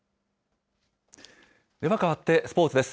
では変わって、スポーツです。